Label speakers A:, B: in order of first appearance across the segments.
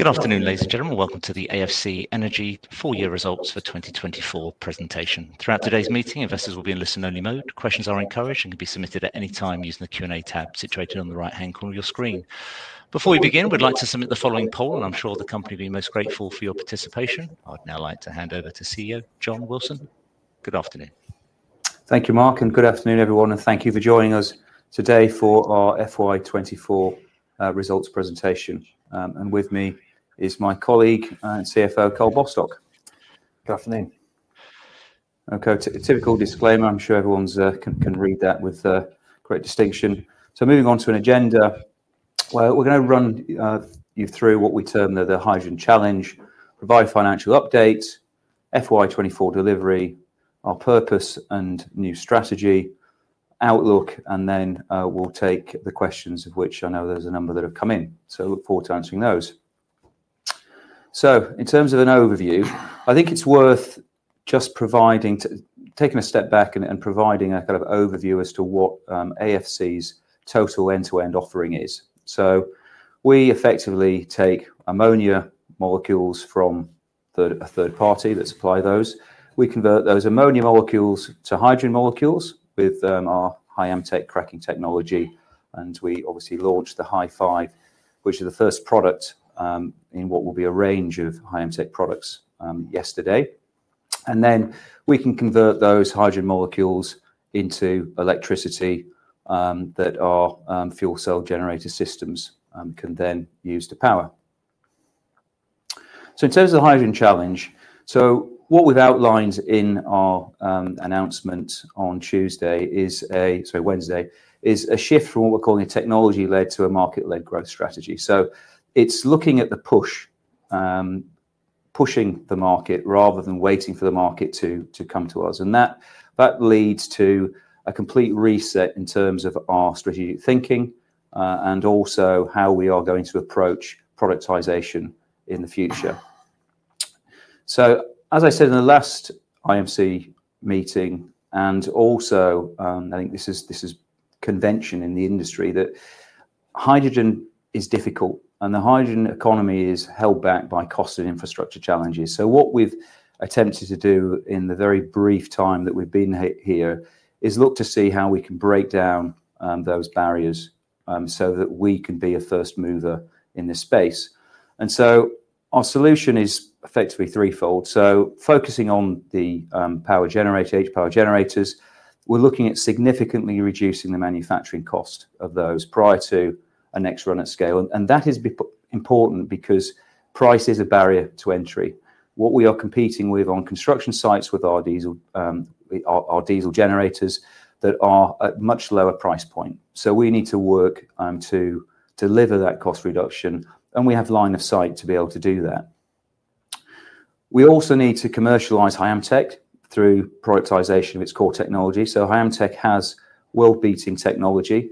A: Good afternoon, ladies and gentlemen. Welcome to the AFC Energy full-year results for 2024 presentation. Throughout today's meeting, investors will be in listen-only mode. Questions are encouraged and can be submitted at any time using the Q&A tab situated on the right-hand corner of your screen. Before we begin, we'd like to submit the following poll, and I'm sure the company will be most grateful for your participation. I'd now like to hand over to CEO John Wilson. Good afternoon.
B: Thank you, Mark, and good afternoon, everyone. Thank you for joining us today for our FY 2024 results presentation. With me is my colleague and CFO, Karl Bostock.
C: Good afternoon.
B: Okay, typical disclaimer. I'm sure everyone can read that with great distinction. Moving on to an agenda. We're going to run you through what we term the Hydrogen Challenge, provide financial updates, FY 2024 delivery, our purpose and new strategy, outlook, and then we'll take the questions of which I know there's a number that have come in. I look forward to answering those. In terms of an overview, I think it's worth just providing, taking a step back and providing a kind of overview as to what AFC Energy's total end-to-end offering is. We effectively take ammonia molecules from a third party that supply those. We convert those ammonia molecules to hydrogen molecules with our Hyamtec cracking technology. We obviously launched the Hy-5, which is the first product in what will be a range of Hyamtec products yesterday. We can convert those hydrogen molecules into electricity that our fuel cell generator systems can then use to power. In terms of the Hydrogen Challenge, what we have outlined in our announcement on Wednesday is a shift from what we are calling a technology-led to a market-led growth strategy. It is looking at pushing the market rather than waiting for the market to come to us. That leads to a complete reset in terms of our strategic thinking and also how we are going to approach productization in the future. As I said in the last IMC meeting, and also I think this is convention in the industry, hydrogen is difficult and the hydrogen economy is held back by cost and infrastructure challenges. What we've attempted to do in the very brief time that we've been here is look to see how we can break down those barriers so that we can be a first mover in this space. Our solution is effectively threefold. Focusing on the power generators, H-Power generators, we're looking at significantly reducing the manufacturing cost of those prior to a next run at scale. That is important because price is a barrier to entry. What we are competing with on construction sites are diesel generators that are at a much lower price point. We need to work to deliver that cost reduction, and we have line of sight to be able to do that. We also need to commercialize Hyamtec through productization of its core technology. Hyamtec has world-beating technology,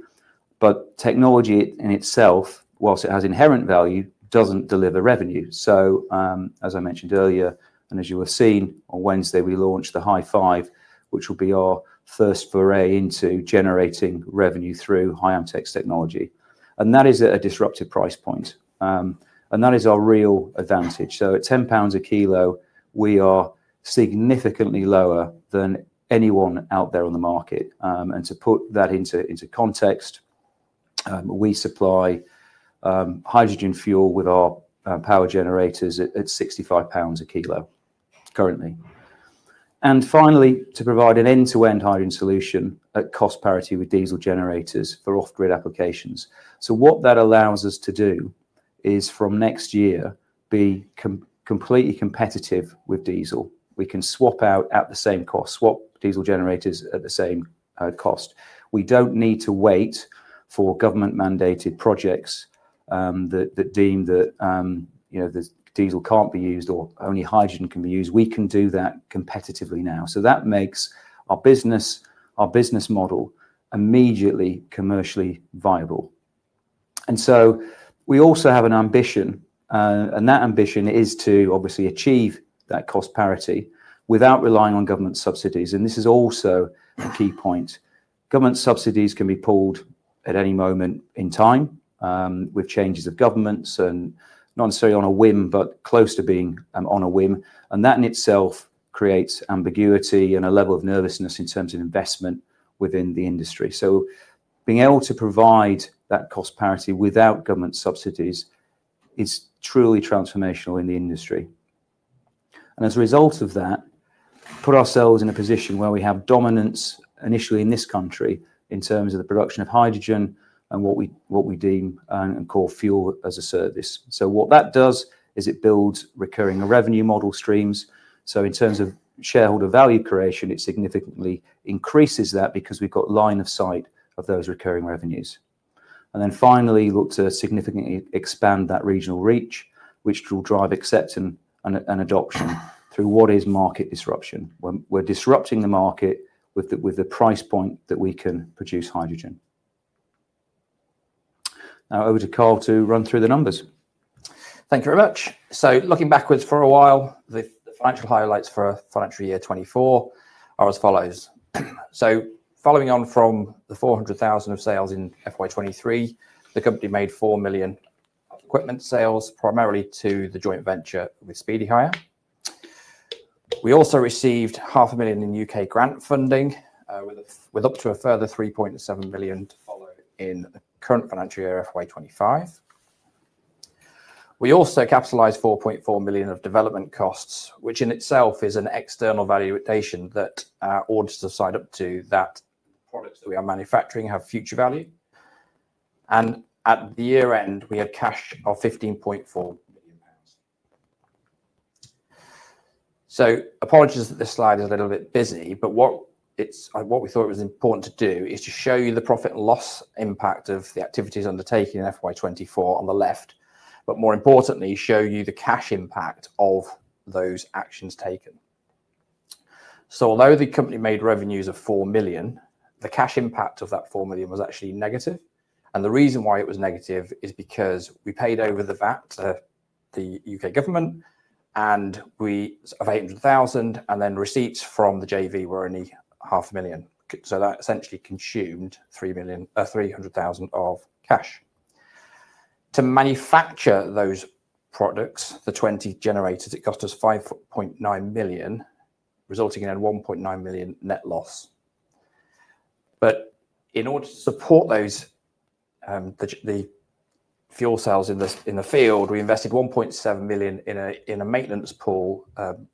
B: but technology in itself, whilst it has inherent value, does not deliver revenue. As I mentioned earlier, and as you have seen on Wednesday, we launched the Hy-5, which will be our first foray into generating revenue through Hyamtec technology. That is at a disruptive price point. That is our real advantage. At 10 pounds a kilo, we are significantly lower than anyone out there on the market. To put that into context, we supply hydrogen fuel with our H-Power generators at 65 pounds a kilo currently. Finally, to provide an end-to-end hydrogen solution at cost parity with diesel generators for off-grid applications. What that allows us to do is from next year be completely competitive with diesel. We can swap out at the same cost, swap diesel generators at the same cost. We don't need to wait for government-mandated projects that deem that diesel can't be used or only hydrogen can be used. We can do that competitively now. That makes our business model immediately commercially viable. We also have an ambition, and that ambition is to obviously achieve that cost parity without relying on government subsidies. This is also a key point. Government subsidies can be pulled at any moment in time with changes of governments and not necessarily on a whim, but close to being on a whim. That in itself creates ambiguity and a level of nervousness in terms of investment within the industry. Being able to provide that cost parity without government subsidies is truly transformational in the industry. As a result of that, we put ourselves in a position where we have dominance initially in this country in terms of the production of hydrogen and what we deem and call fuel as a service. What that does is it builds recurring revenue model streams. In terms of shareholder value creation, it significantly increases that because we've got line of sight of those recurring revenues. Finally, we look to significantly expand that regional reach, which will drive acceptance and adoption through what is market disruption. We're disrupting the market with the price point that we can produce hydrogen. Now over to Karl to run through the numbers.
C: Thank you very much. Looking backwards for a while, the financial highlights for financial year 2024 are as follows. Following on from the 400,000 of sales in FY 2023, the company made 4 million of equipment sales, primarily to the joint venture with Speedy Hire. We also received 500,000 in U.K. grant funding with up to a further 3.7 million to follow in the current financial year FY 2025. We also capitalized 4.4 million of development costs, which in itself is an external valuation that ought to sign up to that products that we are manufacturing have future value. At the year end, we had cash of 15.4 million pounds. Apologies that this slide is a little bit busy, but what we thought it was important to do is to show you the profit and loss impact of the activities undertaken in FY 2024 on the left, but more importantly, show you the cash impact of those actions taken. Although the company made revenues of 4 million, the cash impact of that 4 million was actually negative. The reason why it was negative is because we paid over the VAT to the U.K. government and 800,000, and then receipts from the JV were only 500,000. That essentially consumed 300,000 of cash. To manufacture those products, the 20 generators, it cost us 5.9 million, resulting in a 1.9 million net loss. In order to support those, the fuel cells in the field, we invested 1.7 million in a maintenance pool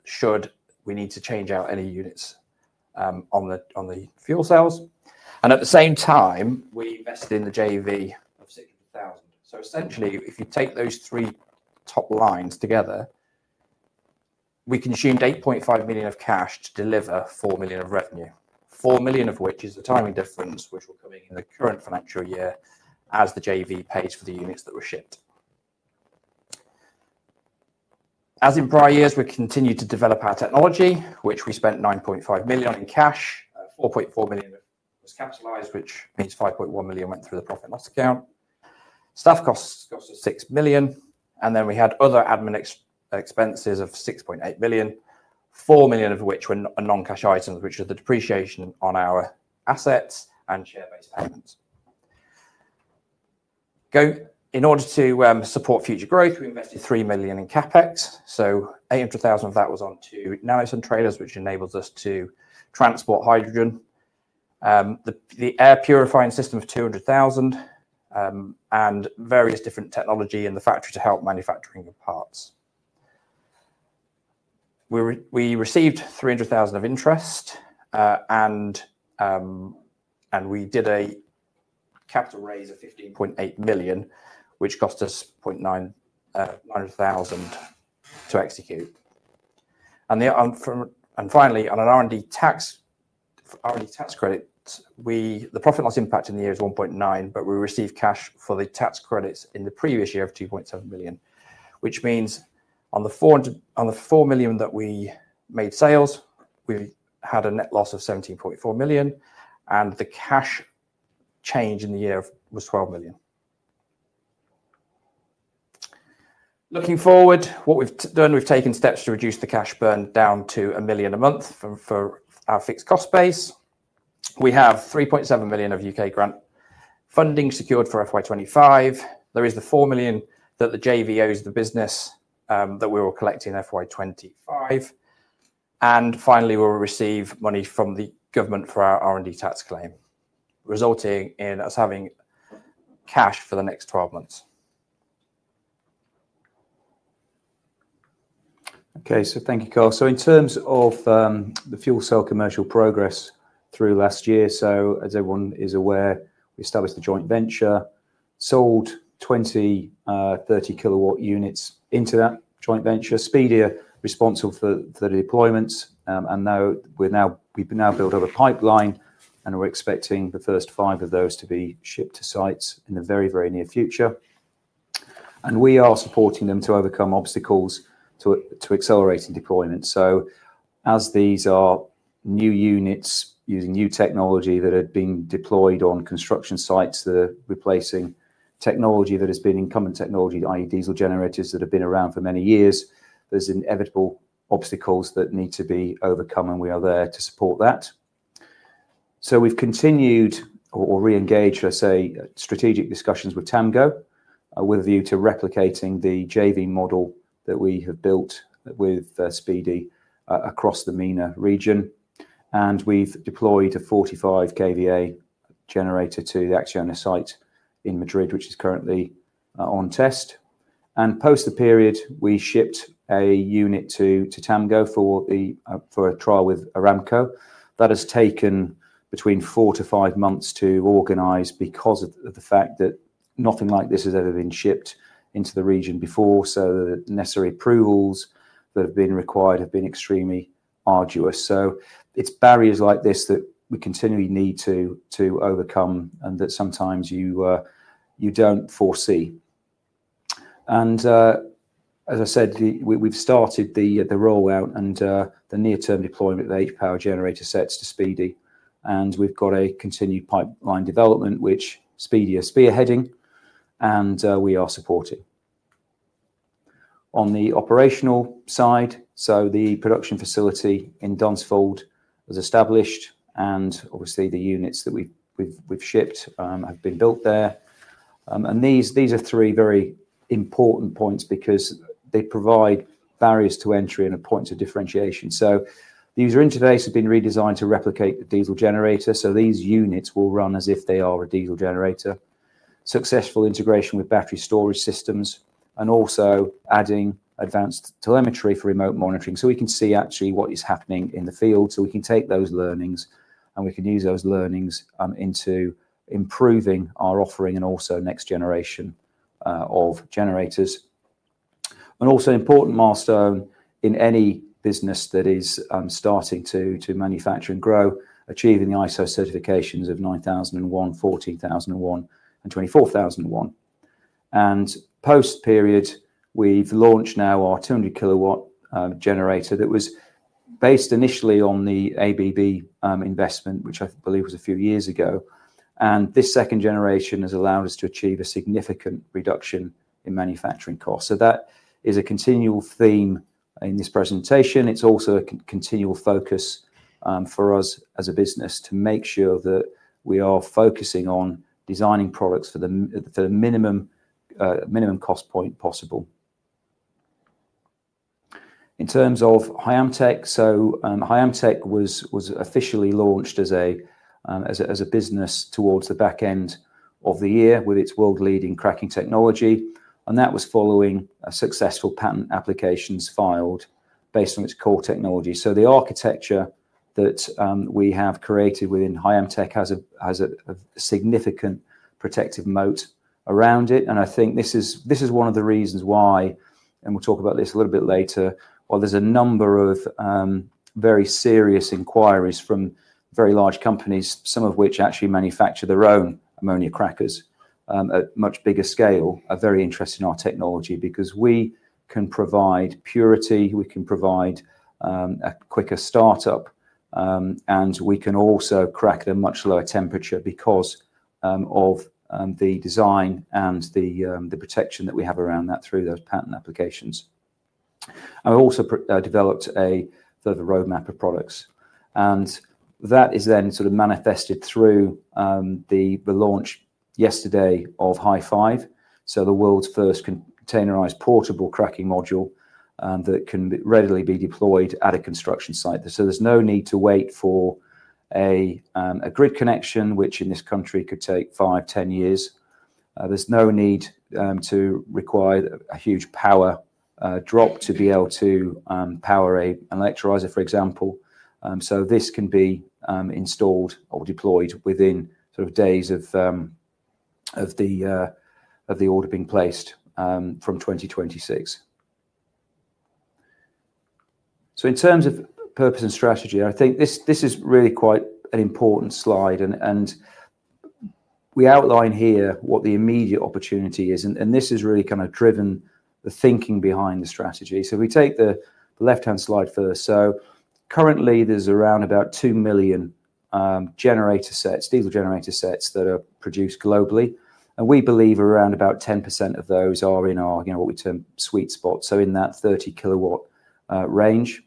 C: should we need to change out any units on the fuel cells. At the same time, we invested in the JV of 600,000. Essentially, if you take those three top lines together, we consumed 8.5 million of cash to deliver 4 million of revenue, 4 million of which is the timing difference, which will come in the current financial year as the JV pays for the units that were shipped. As in prior years, we continued to develop our technology, which we spent 9.5 million in cash, 4.4 million was capitalized, which means 5.1 million went through the profit and loss account. Staff costs cost us 6 million. We had other admin expenses of 6.8 million, 4 million of which were non-cash items, which are the depreciation on our assets and share-based payments. In order to support future growth, we invested 3 million in CapEx. 800,000 of that was onto NanoSun trailers, which enables us to transport hydrogen, the air purifying system of 200,000, and various different technology in the factory to help manufacturing of parts. We received 300,000 of interest, and we did a capital raise of 15.8 million, which cost us 900,000 to execute. Finally, on an R&D tax credit, the profit and loss impact in the year is 1.9 million, but we received cash for the tax credits in the previous year of 2.7 million, which means on the 4 million that we made sales, we had a net loss of 17.4 million, and the cash change in the year was 12 million. Looking forward, what we've done, we've taken steps to reduce the cash burn down to 1 million a month for our fixed cost base. We have 3.7 million of U.K. grant funding secured for FY2025. There is the 4 million that the JV owes the business that we are collecting in FY2025. Finally, we'll receive money from the government for our R&D tax claim, resulting in us having cash for the next 12 months.
B: Okay, thank you, Karl. In terms of the fuel cell commercial progress through last year, as everyone is aware, we established the joint venture, sold 20 30 kilowatt units into that joint venture. Speedy are responsible for the deployments. We have now built up a pipeline, and we are expecting the first five of those to be shipped to sites in the very, very near future. We are supporting them to overcome obstacles to accelerating deployment. As these are new units using new technology that have been deployed on construction sites that are replacing technology that has been incumbent technology, i.e., diesel generators that have been around for many years, there are inevitable obstacles that need to be overcome, and we are there to support that. We have continued or re-engaged, I say, strategic discussions with TAMGO with a view to replicating the JV model that we have built with Speedy across the MENA region. We have deployed a 45 kVA generator to the Acciona site in Madrid, which is currently on test. Post the period, we shipped a unit to TAMGO for a trial with Aramco. That has taken between four to five months to organize because of the fact that nothing like this has ever been shipped into the region before. The necessary approvals that have been required have been extremely arduous. It is barriers like this that we continually need to overcome and that sometimes you do not foresee. As I said, we have started the rollout and the near-term deployment of the H-Power generator sets to Speedy. We have a continued pipeline development, which Speedy is spearheading, and we are supporting. On the operational side, the production facility in Dunsfold was established, and obviously the units that we have shipped have been built there. These are three very important points because they provide barriers to entry and a point of differentiation. The user interface has been redesigned to replicate the diesel generator. These units will run as if they are a diesel generator. Successful integration with battery storage systems and also adding advanced telemetry for remote monitoring. We can see actually what is happening in the field. We can take those learnings and we can use those learnings into improving our offering and also next generation of generators. Also an important milestone in any business that is starting to manufacture and grow, achieving the ISO certifications of 9001, 14001, and 45001. Post period, we've launched now our 200 kilowatt generator that was based initially on the ABB investment, which I believe was a few years ago. This second generation has allowed us to achieve a significant reduction in manufacturing costs. That is a continual theme in this presentation. It's also a continual focus for us as a business to make sure that we are focusing on designing products for the minimum cost point possible. In terms of Hyamtec, Hyamtec was officially launched as a business towards the back end of the year with its world-leading cracking technology. That was following a successful patent application filed based on its core technology. The architecture that we have created within Hyamtec has a significant protective moat around it. I think this is one of the reasons why, and we'll talk about this a little bit later, while there's a number of very serious inquiries from very large companies, some of which actually manufacture their own ammonia crackers at much bigger scale, are very interested in our technology because we can provide purity, we can provide a quicker startup, and we can also crack at a much lower temperature because of the design and the protection that we have around that through those patent applications. We have also developed a further roadmap of products. That is then sort of manifested through the launch yesterday of Hy-5, the world's first containerised portable cracking module that can readily be deployed at a construction site. There's no need to wait for a grid connection, which in this country could take 5-10 years. There's no need to require a huge power drop to be able to power an electrolyser, for example. This can be installed or deployed within sort of days of the order being placed from 2026. In terms of purpose and strategy, I think this is really quite an important slide. We outline here what the immediate opportunity is. This has really kind of driven the thinking behind the strategy. If we take the left-hand slide first, currently there's around about 2 million diesel generator sets that are produced globally. We believe around about 10% of those are in our what we term sweet spots, so in that 30 kilowatt range.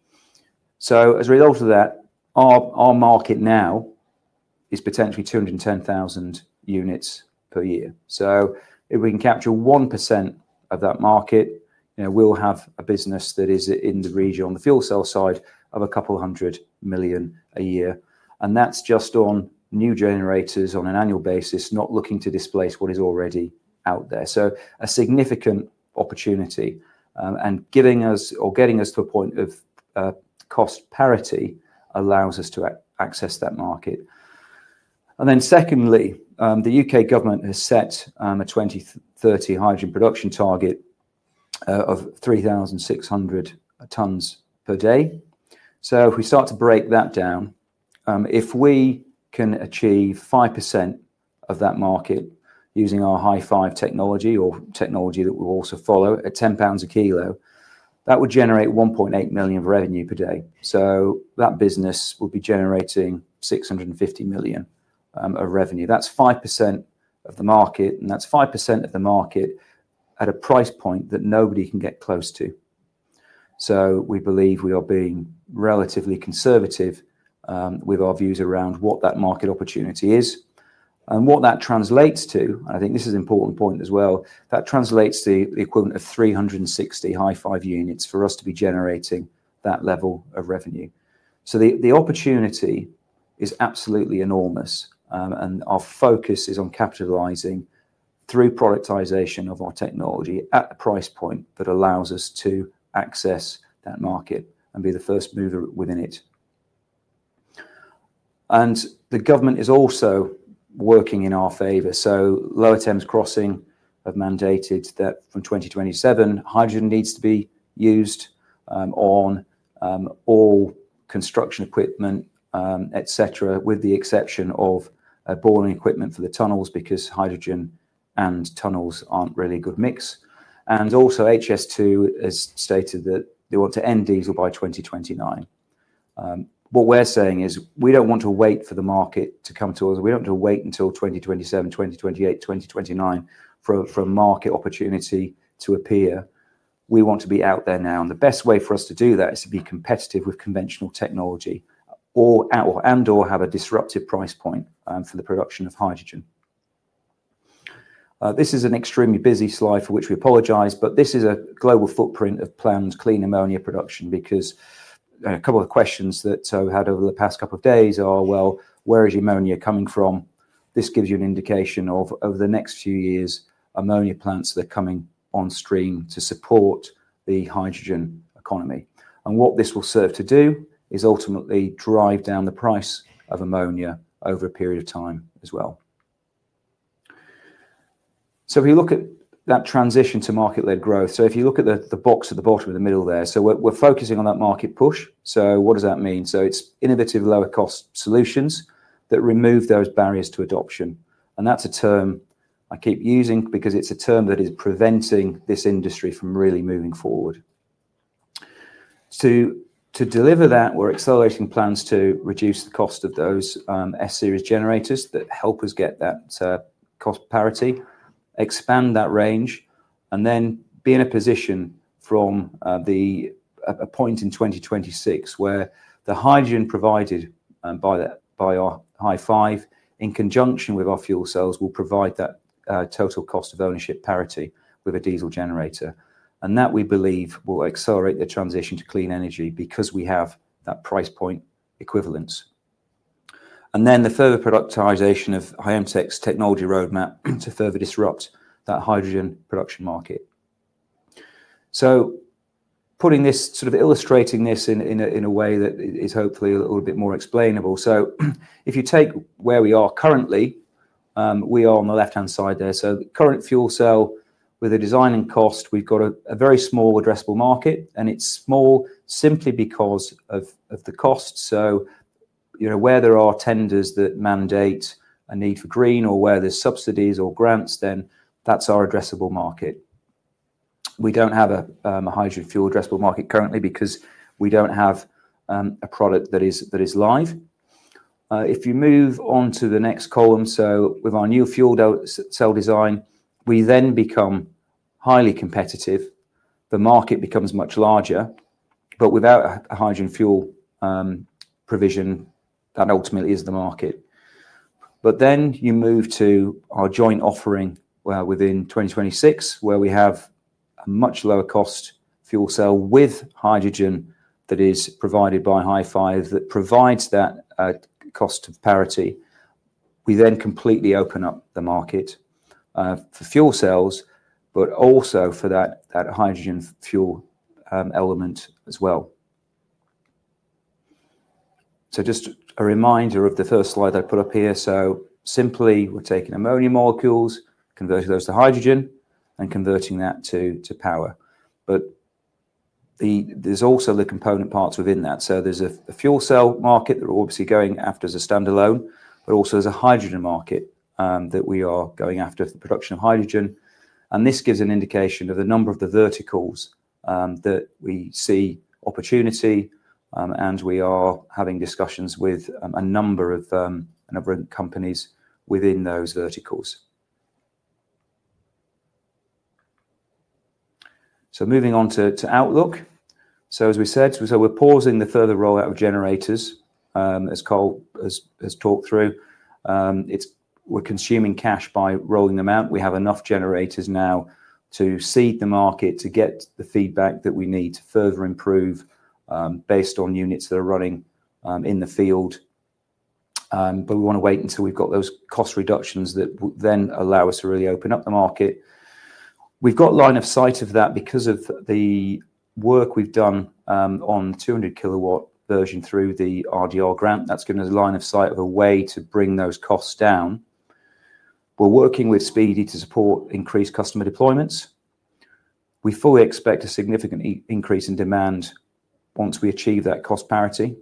B: As a result of that, our market now is potentially 210,000 units per year. If we can capture 1% of that market, we'll have a business that is in the region on the fuel cell side of a couple hundred million a year. That is just on new generators on an annual basis, not looking to displace what is already out there. A significant opportunity and getting us to a point of cost parity allows us to access that market. Secondly, the U.K. government has set a 2030 hydrogen production target of 3,600 tons per day. If we start to break that down, if we can achieve 5% of that market using our Hy-5 technology or technology that will also follow at 10 pounds a kilo, that would generate 1.8 million of revenue per day. That business would be generating 650 million of revenue. That's 5% of the market, and that's 5% of the market at a price point that nobody can get close to. We believe we are being relatively conservative with our views around what that market opportunity is and what that translates to. I think this is an important point as well. That translates to the equivalent of 360 Hy-5 units for us to be generating that level of revenue. The opportunity is absolutely enormous. Our focus is on capitalizing through productization of our technology at a price point that allows us to access that market and be the first mover within it. The government is also working in our favor. Lower Thames Crossing have mandated that from 2027, hydrogen needs to be used on all construction equipment, etc., with the exception of boring equipment for the tunnels because hydrogen and tunnels are not really a good mix. Also, HS2 has stated that they want to end diesel by 2029. What we are saying is we do not want to wait for the market to come to us. We do not want to wait until 2027, 2028, 2029 for a market opportunity to appear. We want to be out there now. The best way for us to do that is to be competitive with conventional technology and/or have a disruptive price point for the production of hydrogen. This is an extremely busy slide for which we apologize, but this is a global footprint of planned clean ammonia production because a couple of questions that I've had over the past couple of days are, well, where is ammonia coming from? This gives you an indication of over the next few years, ammonia plants that are coming on stream to support the hydrogen economy. What this will serve to do is ultimately drive down the price of ammonia over a period of time as well. If you look at that transition to market-led growth, if you look at the box at the bottom of the middle there, we're focusing on that market push. What does that mean? It's innovative lower-cost solutions that remove those barriers to adoption. That is a term I keep using because it is a term that is preventing this industry from really moving forward. To deliver that, we are accelerating plans to reduce the cost of those S Series generators that help us get that cost parity, expand that range, and then be in a position from a point in 2026 where the hydrogen provided by our Hy-5 in conjunction with our fuel cells will provide that total cost of ownership parity with a diesel generator. We believe that will accelerate the transition to clean energy because we have that price point equivalence. The further productisation of Hyamtec's technology roadmap will further disrupt that hydrogen production market. Putting this, illustrating this in a way that is hopefully a little bit more explainable, if you take where we are currently, we are on the left-hand side there. Current fuel cell with a design and cost, we've got a very small addressable market, and it's small simply because of the cost. Where there are tenders that mandate a need for green or where there's subsidies or grants, then that's our addressable market. We don't have a hydrogen fuel addressable market currently because we don't have a product that is live. If you move on to the next column, with our new fuel cell design, we then become highly competitive. The market becomes much larger, but without a hydrogen fuel provision, that ultimately is the market. You move to our joint offering within 2026, where we have a much lower-cost fuel cell with hydrogen that is provided by Hy-5 that provides that cost parity. We then completely open up the market for fuel cells, but also for that hydrogen fuel element as well. Just a reminder of the first slide I put up here. Simply, we're taking ammonia molecules, converting those to hydrogen, and converting that to power. There is also the component parts within that. There is a fuel cell market that we're obviously going after as a standalone, but also there is a hydrogen market that we are going after for the production of hydrogen. This gives an indication of the number of the verticals that we see opportunity, and we are having discussions with a number of different companies within those verticals. Moving on to Outlook. As we said, we're pausing the further rollout of generators, as Karl has talked through. We're consuming cash by rolling them out. We have enough generators now to seed the market to get the feedback that we need to further improve based on units that are running in the field. We want to wait until we've got those cost reductions that will then allow us to really open up the market. We've got line of sight of that because of the work we've done on 200 kilowatt version through the RDR grant. That's given us a line of sight of a way to bring those costs down. We're working with Speedy to support increased customer deployments. We fully expect a significant increase in demand once we achieve that cost parity.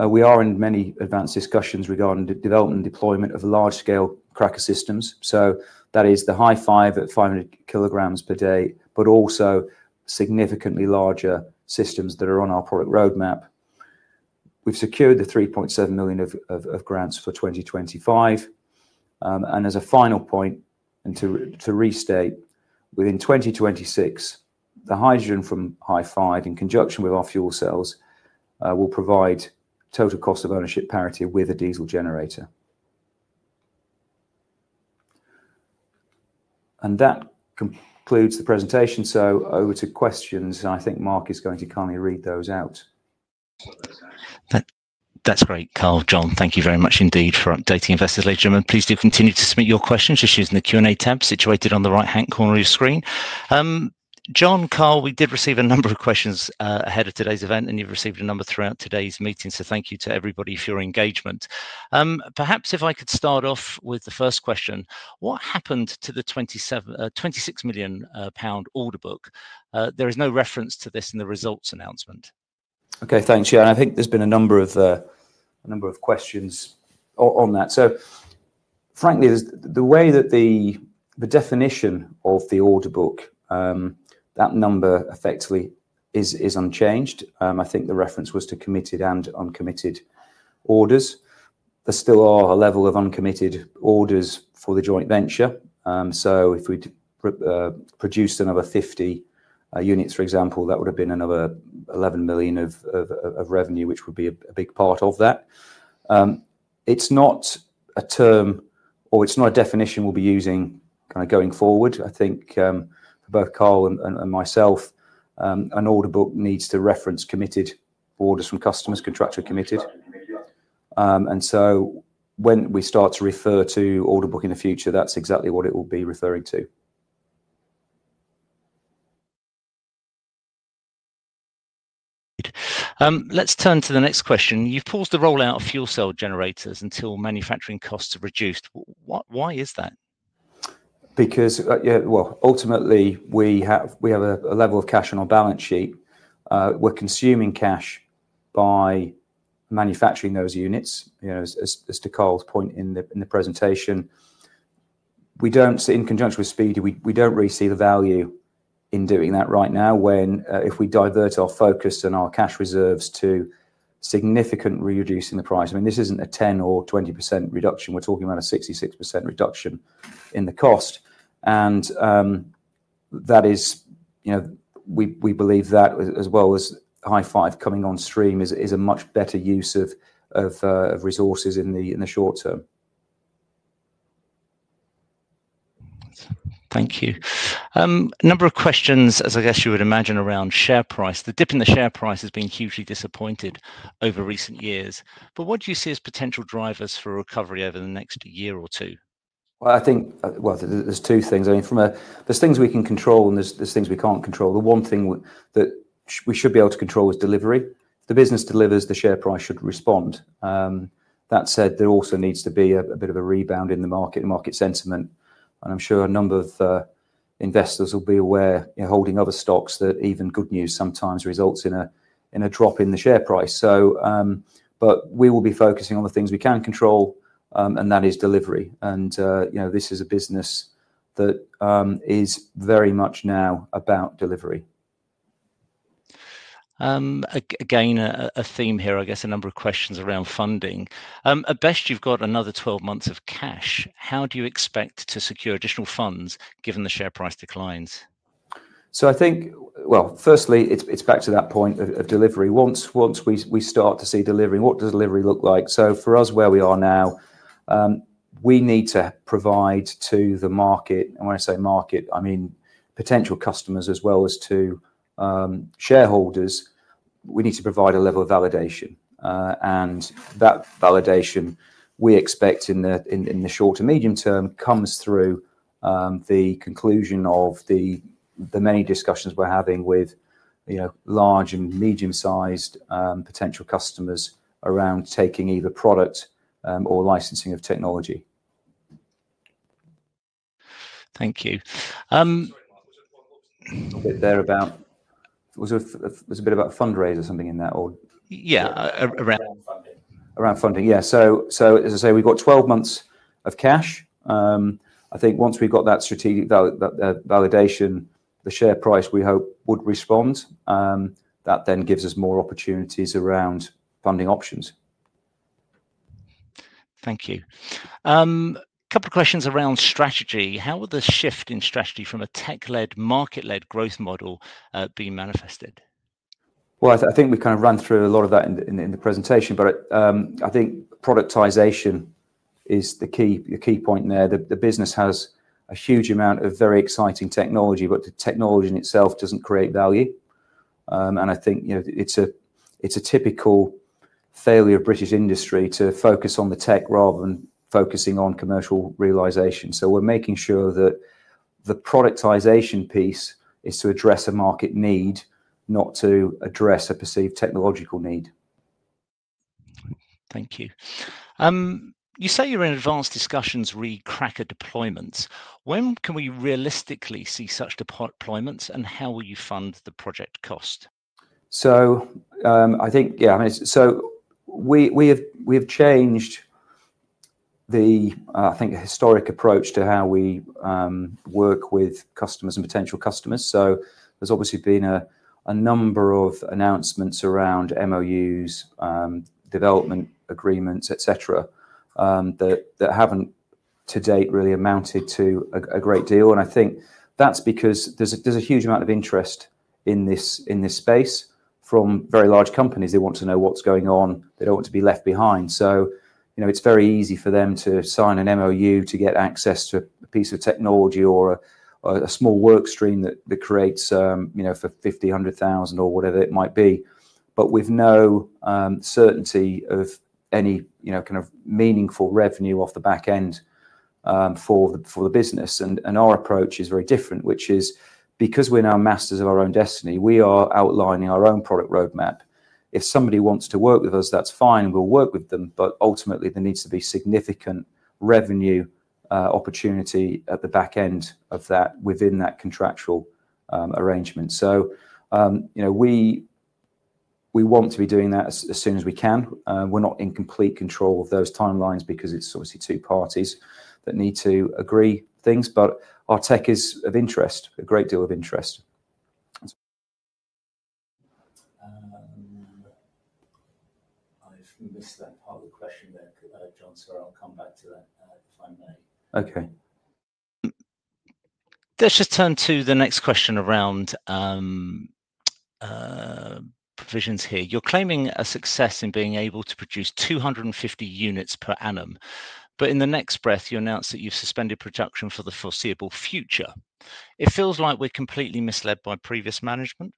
B: We are in many advanced discussions regarding the development and deployment of large-scale cracker systems. That is the Hy-5 at 500 kilograms per day, but also significantly larger systems that are on our product roadmap. We've secured the 3.7 million of grants for 2025. As a final point, and to restate, within 2026, the hydrogen from Hy-5 in conjunction with our fuel cells will provide total cost of ownership parity with a diesel generator. That concludes the presentation. Over to questions. I think Mark is going to kindly read those out.
A: That's great, Karl, John. Thank you very much indeed for updating investors. Ladies and gentlemen, please do continue to submit your questions, issued in the Q&A tab situated on the right-hand corner of your screen. John, Karl, we did receive a number of questions ahead of today's event, and you've received a number throughout today's meeting. Thank you to everybody for your engagement. Perhaps if I could start off with the first question, what happened to the 26 million pound order book? There is no reference to this in the results announcement.
B: Okay, thanks, John. I think there's been a number of questions on that. Frankly, the way that the definition of the order book, that number effectively is unchanged. I think the reference was to committed and uncommitted orders. There still are a level of uncommitted orders for the joint venture. If we produced another 50 units, for example, that would have been another 11 million of revenue, which would be a big part of that. It's not a term or it's not a definition we'll be using kind of going forward. I think for both Karl and myself, an order book needs to reference committed orders from customers, contractor committed. When we start to refer to order book in the future, that's exactly what it will be referring to.
A: Let's turn to the next question. You've paused the rollout of fuel cell generators until manufacturing costs are reduced. Why is that?
B: Because, ultimately, we have a level of cash on our balance sheet. We're consuming cash by manufacturing those units, as to Karl's point in the presentation. In conjunction with Speedy, we don't really see the value in doing that right now when if we divert our focus and our cash reserves to significantly reducing the price. I mean, this isn't a 10% or 20% reduction. We're talking about a 66% reduction in the cost. That is, we believe that as well as Hy-5 coming on stream is a much better use of resources in the short term.
A: Thank you. A number of questions, as I guess you would imagine, around share price. The dip in the share price has been hugely disappointing over recent years. What do you see as potential drivers for recovery over the next year or two?
B: I think there are two things. I mean, there are things we can control and there are things we cannot control. The one thing that we should be able to control is delivery. The business delivers, the share price should respond. That said, there also needs to be a bit of a rebound in the market, market sentiment. I am sure a number of investors will be aware, holding other stocks, that even good news sometimes results in a drop in the share price. We will be focusing on the things we can control, and that is delivery. This is a business that is very much now about delivery.
A: Again, a theme here, I guess, a number of questions around funding. At best, you have another 12 months of cash. How do you expect to secure additional funds given the share price declines?
B: I think, firstly, it's back to that point of delivery. Once we start to see delivery, what does delivery look like? For us, where we are now, we need to provide to the market, and when I say market, I mean potential customers as well as to shareholders. We need to provide a level of validation. That validation we expect in the short to medium term comes through the conclusion of the many discussions we're having with large and medium-sized potential customers around taking either product or licensing of technology.
A: Thank you.
B: A bit there about, was there a bit about fundraiser, something in that or?
A: Yeah,
B: around funding. Around funding, yeah. As I say, we've got 12 months of cash. I think once we've got that strategic validation, the share price we hope would respond. That then gives us more opportunities around funding options.
A: Thank you. A couple of questions around strategy. How will the shift in strategy from a tech-led, market-led growth model be manifested?
B: I think we've kind of run through a lot of that in the presentation, but I think productization is the key point there. The business has a huge amount of very exciting technology, but the technology in itself doesn't create value. I think it's a typical failure of British industry to focus on the tech rather than focusing on commercial realization. We are making sure that the productization piece is to address a market need, not to address a perceived technological need.
A: Thank you. You say you're in advanced discussions re-cracker deployments. When can we realistically see such deployments and how will you fund the project cost?
B: I think, yeah, I mean, we have changed the, I think, historic approach to how we work with customers and potential customers. There has obviously been a number of announcements around MOUs, development agreements, etc., that have not to date really amounted to a great deal. I think that is because there is a huge amount of interest in this space from very large companies. They want to know what is going on. They do not want to be left behind. It is very easy for them to sign an MOU to get access to a piece of technology or a small workstream that creates for $50,000, $100,000, or whatever it might be, but with no certainty of any kind of meaningful revenue off the back end for the business. Our approach is very different, which is because we're now masters of our own destiny, we are outlining our own product roadmap. If somebody wants to work with us, that's fine. We'll work with them, but ultimately, there needs to be significant revenue opportunity at the back end of that within that contractual arrangement. We want to be doing that as soon as we can. We're not in complete control of those timelines because it's obviously two parties that need to agree things, but our tech is of interest, a great deal of interest.
C: I've missed that part of the question there, John, so I'll come back to that if I may.
B: Okay.
A: Let's just turn to the next question around provisions here. You're claiming a success in being able to produce 250 units per annum. In the next breath, you announce that you've suspended production for the foreseeable future. It feels like we're completely misled by previous management.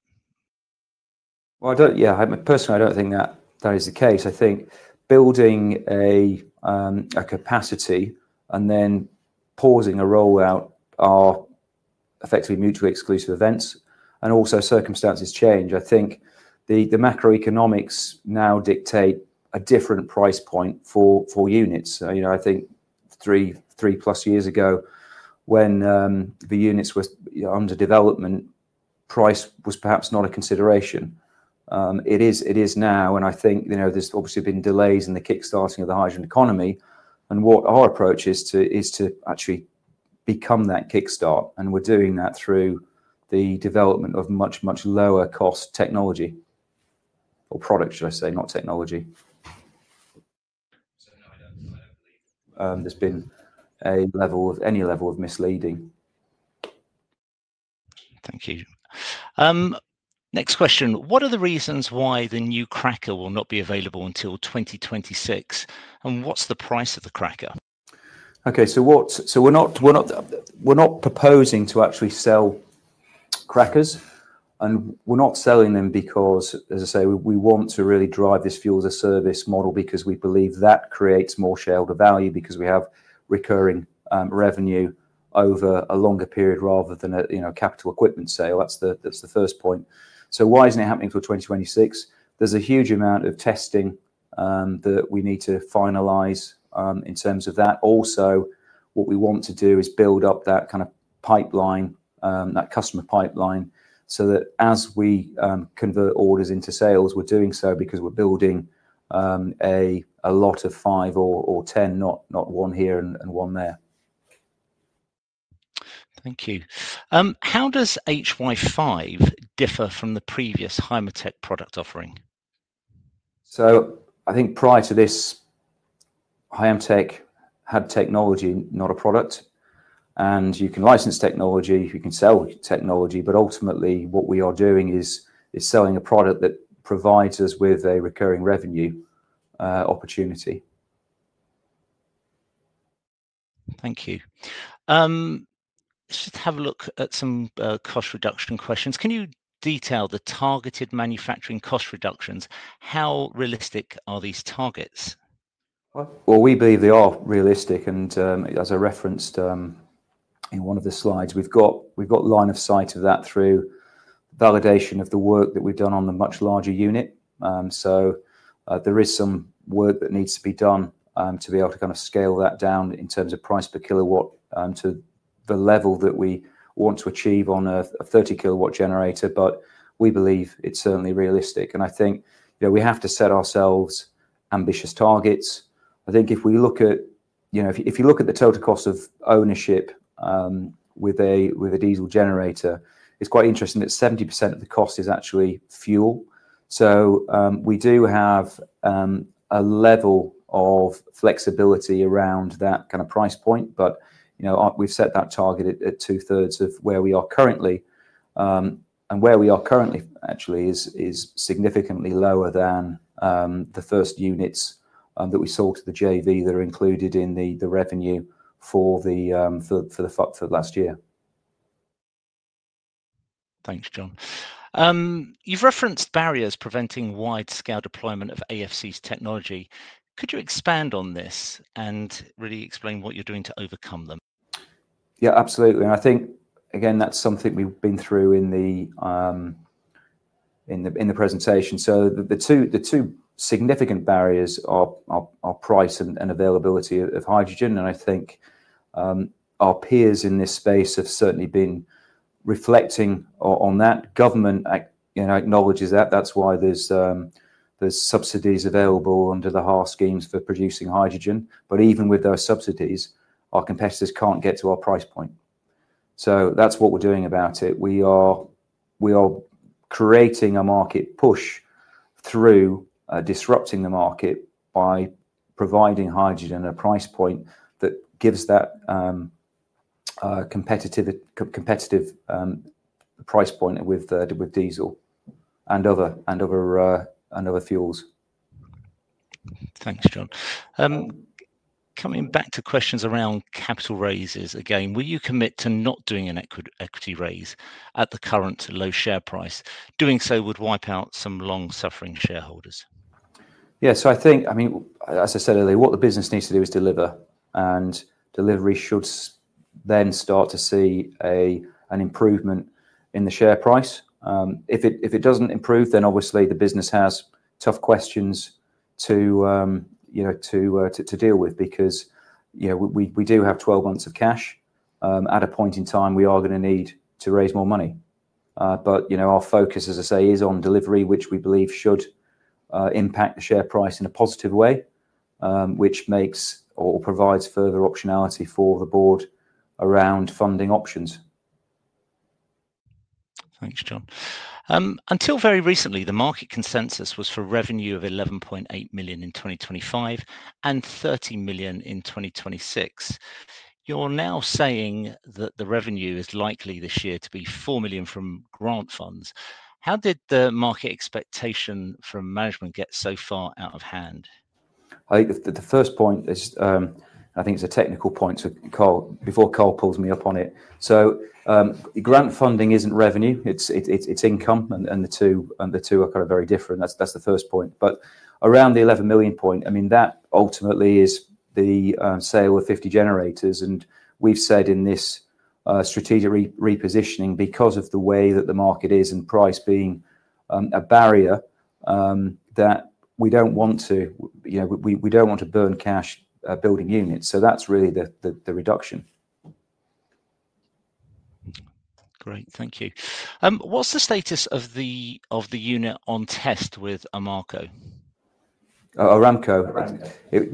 B: Yeah, personally, I don't think that is the case. I think building a capacity and then pausing a rollout are effectively mutually exclusive events. Also, circumstances change. I think the macroeconomics now dictate a different price point for units. I think three plus years ago, when the units were under development, price was perhaps not a consideration. It is now, and I think there's obviously been delays in the kickstarting of the hydrogen economy. What our approach is to actually become that kickstart, and we're doing that through the development of much, much lower-cost technology or product, should I say, not technology. There's been a level of any level of misleading.
A: Thank you. Next question. What are the reasons why the new cracker will not be available until 2026? What's the price of the cracker?
B: Okay, we're not proposing to actually sell crackers, and we're not selling them because, as I say, we want to really drive this fuel-to-service model because we believe that creates more shareholder value because we have recurring revenue over a longer period rather than a capital equipment sale. That's the first point. Why isn't it happening for 2026? There's a huge amount of testing that we need to finalize in terms of that. Also, what we want to do is build up that kind of pipeline, that customer pipeline, so that as we convert orders into sales, we're doing so because we're building a lot of five or ten, not one here and one there.
A: Thank you. How does Hy-5 differ from the previous HYMETEC product offering?
B: I think prior to this, HYMETEC had technology, not a product. You can license technology, you can sell technology, but ultimately, what we are doing is selling a product that provides us with a recurring revenue opportunity.
A: Thank you. Let's just have a look at some cost reduction questions. Can you detail the targeted manufacturing cost reductions? How realistic are these targets?
B: We believe they are realistic. As I referenced in one of the slides, we've got line of sight of that through validation of the work that we've done on the much larger unit. There is some work that needs to be done to be able to kind of scale that down in terms of price per kilowatt to the level that we want to achieve on a 30-kilowatt generator, but we believe it's certainly realistic. I think we have to set ourselves ambitious targets. I think if you look at the total cost of ownership with a diesel generator, it's quite interesting that 70% of the cost is actually fuel. We do have a level of flexibility around that kind of price point, but we've set that target at two-thirds of where we are currently. Where we are currently, actually, is significantly lower than the first units that we sold to the JV that are included in the revenue for the last year.
A: Thanks, John. You've referenced barriers preventing wide-scale deployment of AFC's technology. Could you expand on this and really explain what you're doing to overcome them?
B: Yeah, absolutely. I think, again, that's something we've been through in the presentation. The two significant barriers are price and availability of hydrogen. I think our peers in this space have certainly been reflecting on that. Government acknowledges that. That is why there are subsidies available under the HAR schemes for producing hydrogen. Even with those subsidies, our competitors cannot get to our price point. That is what we are doing about it. We are creating a market push through disrupting the market by providing hydrogen at a price point that gives that competitive price point with diesel and other fuels.
A: Thanks, John. Coming back to questions around capital raises, again, will you commit to not doing an equity raise at the current low share price? Doing so would wipe out some long-suffering shareholders.
B: Yeah, I think, I mean, as I said earlier, what the business needs to do is deliver. Delivery should then start to see an improvement in the share price. If it doesn't improve, then obviously the business has tough questions to deal with because we do have 12 months of cash. At a point in time, we are going to need to raise more money. Our focus, as I say, is on delivery, which we believe should impact the share price in a positive way, which makes or provides further optionality for the board around funding options.
A: Thanks, John. Until very recently, the market consensus was for revenue of 11.8 million in 2025 and 30 million in 2026. You're now saying that the revenue is likely this year to be 4 million from grant funds. How did the market expectation from management get so far out of hand?
B: The first point, I think it's a technical point, so before Karl pulls me up on it. Grant funding isn't revenue. It's income. The two are kind of very different. That is the first point. Around the 11 million point, I mean, that ultimately is the sale of 50 generators. We have said in this strategic repositioning, because of the way that the market is and price being a barrier, that we do not want to burn cash building units. That is really the reduction.
A: Great. Thank you. What is the status of the unit on test with Aramco?
B: Aramco. It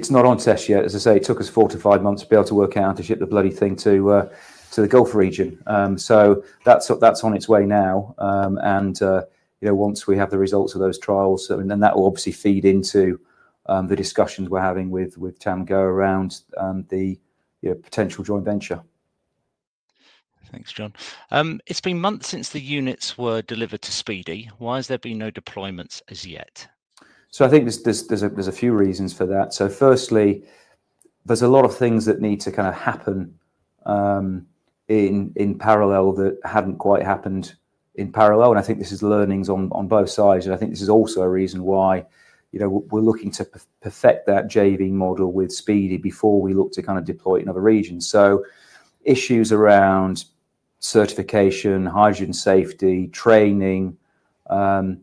B: is not on test yet. As I say, it took us four to five months to be able to work out and ship the bloody thing to the Gulf region. That is on its way now. Once we have the results of those trials, that will obviously feed into the discussions we are having with TAMGO around the potential joint venture.
A: Thanks, John. It's been months since the units were delivered to Speedy. Why has there been no deployments as yet?
B: I think there's a few reasons for that. Firstly, there's a lot of things that need to kind of happen in parallel that hadn't quite happened in parallel. I think this is learnings on both sides. I think this is also a reason why we're looking to perfect that JV model with Speedy before we look to kind of deploy it in other regions. Issues around certification, hydrogen safety, training, where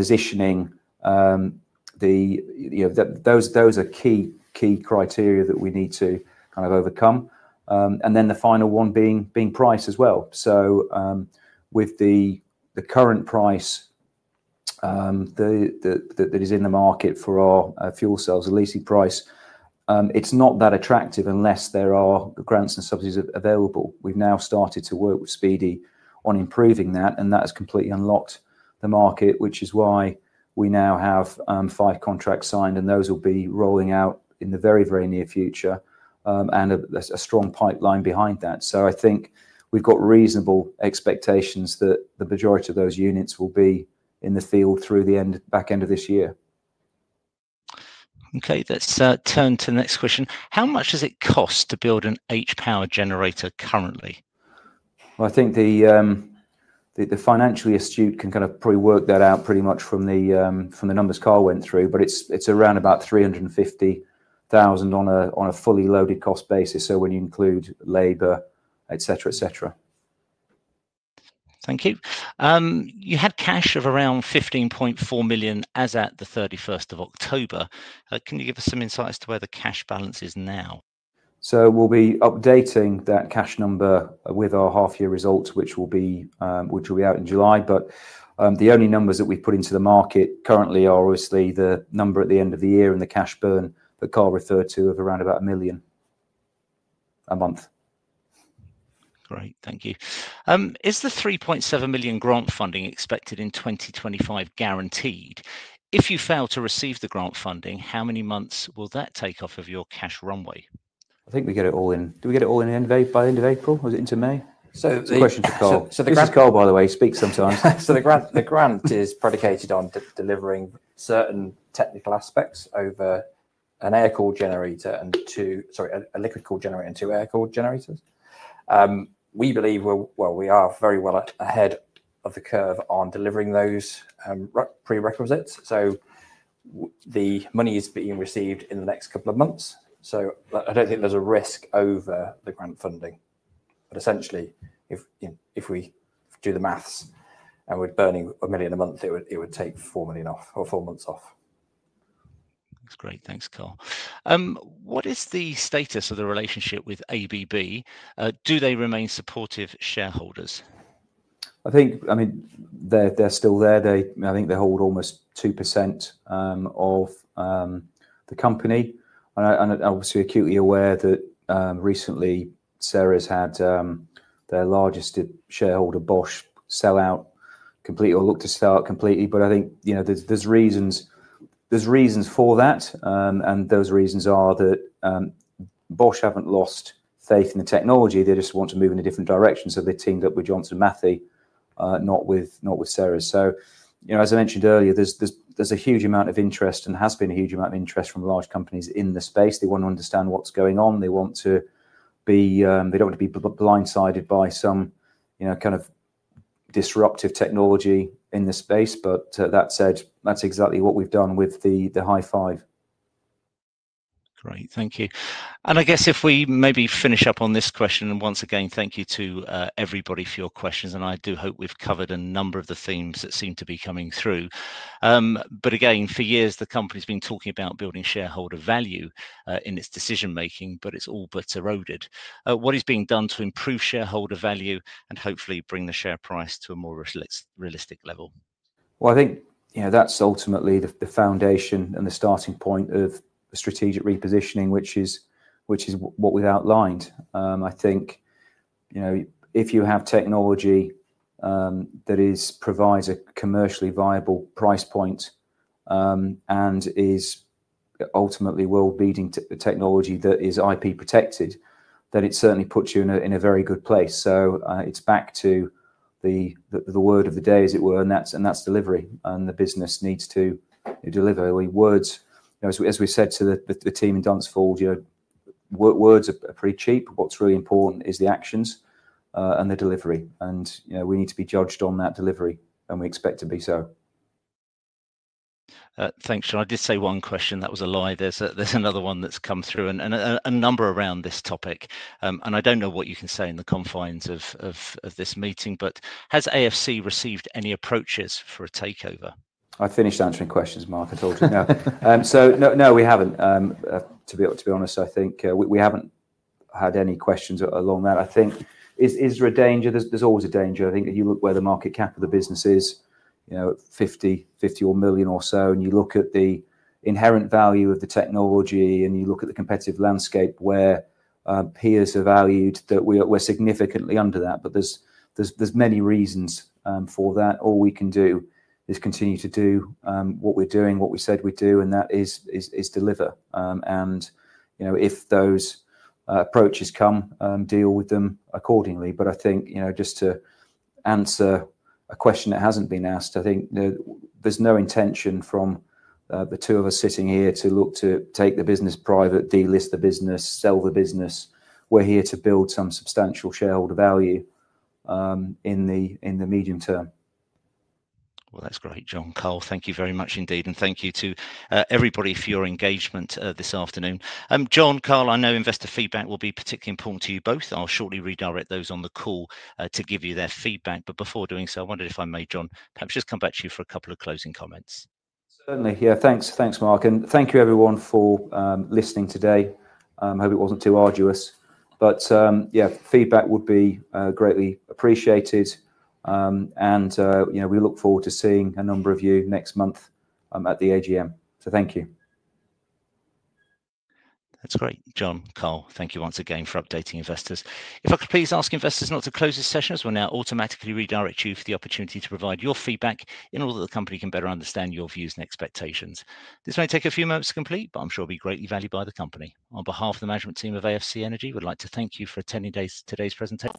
B: positioning, those are key criteria that we need to kind of overcome. The final one being price as well. With the current price that is in the market for our fuel cells, the leasing price, it's not that attractive unless there are grants and subsidies available. We've now started to work with Speedy on improving that, and that has completely unlocked the market, which is why we now have five contracts signed, and those will be rolling out in the very, very near future and a strong pipeline behind that. I think we've got reasonable expectations that the majority of those units will be in the field through the back end of this year.
A: Okay. Let's turn to the next question. How much does it cost to build an H-Power generator currently?
B: I think the financial institute can kind of pre-work that out pretty much from the numbers Karl went through, but it's around about 350,000 on a fully loaded cost basis. When you include labor, etc., etc.
A: Thank you. You had cash of around 15.4 million as at the 31st of October. Can you give us some insights to where the cash balance is now?
B: We will be updating that cash number with our half-year results, which will be due out in July. The only numbers that we have put into the market currently are obviously the number at the end of the year and the cash burn that Karl referred to of around about 1 million a month.
A: Great. Thank you. Is the 3.7 million grant funding expected in 2025 guaranteed? If you fail to receive the grant funding, how many months will that take off of your cash runway?
C: I think we get it all in. Do we get it all in by the end of April? Was it into May?
B: It is a question for Karl. This is Karl, by the way. He speaks sometimes.
C: The grant is predicated on delivering certain technical aspects over an air-cooled generator and a liquid-cooled generator and two air-cooled generators. We believe, I mean, we are very well ahead of the curve on delivering those prerequisites. The money is being received in the next couple of months. I do not think there is a risk over the grant funding. Essentially, if we do the maths and we are burning 1 million a month, it would take 4 million off or four months off.
A: That is great. Thanks, Karl. What is the status of the relationship with ABB? Do they remain supportive shareholders?
B: I think, I mean, they are still there. I think they hold almost 2% of the company. Obviously, acutely aware that recently, Ceres had their largest shareholder, Bosch, sell out completely or look to sell out completely. I think there are reasons for that. Those reasons are that Bosch haven't lost faith in the technology. They just want to move in a different direction. They have teamed up with Johnson Matthey, not with Ceres. As I mentioned earlier, there is a huge amount of interest and has been a huge amount of interest from large companies in the space. They want to understand what's going on. They do not want to be blindsided by some kind of disruptive technology in the space. That said, that's exactly what we've done with the Hy-5.
A: Great. Thank you. I guess if we maybe finish up on this question, and once again, thank you to everybody for your questions. I do hope we've covered a number of the themes that seem to be coming through. For years, the company's been talking about building shareholder value in its decision-making, but it's all but eroded. What is being done to improve shareholder value and hopefully bring the share price to a more realistic level?
B: I think that's ultimately the foundation and the starting point of strategic repositioning, which is what we've outlined. I think if you have technology that provides a commercially viable price point and ultimately will be the technology that is IP protected, then it certainly puts you in a very good place. It's back to the word of the day, as it were, and that's delivery. The business needs to deliver. As we said to the team in Dunsfold, words are pretty cheap. What's really important is the actions and the delivery. We need to be judged on that delivery, and we expect to be so.
A: Thanks, John. I did say one question. That was a lie. There's another one that's come through and a number around this topic. I don't know what you can say in the confines of this meeting, but has AFC received any approaches for a takeover?
B: I finished answering questions, Mark. I told you now. No, we haven't. To be honest, I think we haven't had any questions along that. I think is there a danger? There's always a danger. I think where the market cap of the business is, 50 million or so, and you look at the inherent value of the technology and you look at the competitive landscape where peers are valued, we're significantly under that. There's many reasons for that. All we can do is continue to do what we're doing, what we said we'd do, and that is deliver. If those approaches come, deal with them accordingly. I think just to answer a question that has not been asked, I think there is no intention from the two of us sitting here to look to take the business private, delist the business, sell the business. We are here to build some substantial shareholder value in the medium term.
A: That is great, John. Karl, thank you very much indeed. Thank you to everybody for your engagement this afternoon. John, Karl, I know investor feedback will be particularly important to you both. I will shortly redirect those on the call to give you their feedback. Before doing so, I wondered if I may, John, perhaps just come back to you for a couple of closing comments.
B: Certainly. Yeah, thanks, Mark. Thank you, everyone, for listening today. I hope it was not too arduous. Feedback would be greatly appreciated. We look forward to seeing a number of you next month at the AGM. Thank you. That's great. John, Karl, thank you once again for updating investors. If I could please ask investors not to close this session, as we will now automatically redirect you for the opportunity to provide your feedback in order that the company can better understand your views and expectations. This may take a few moments to complete, but I am sure it will be greatly valued by the company. On behalf of the management team of AFC Energy, we would like to thank you for attending today's presentation.